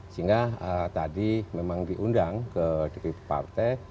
sehingga tadi memang diundang ke dpp partai